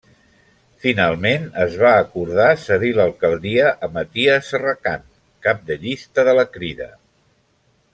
Finalment es va acordar cedir l'alcaldia a Maties Serracant, cap de llista de la Crida.